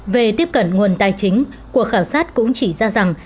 về tiếp cận nguồn tài chính cuộc khảo sát cũng chỉ ra rằng